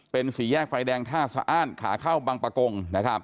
เป็นสี่แยกไฟแดงท่าสะอ้านขาเข้าบังปะกง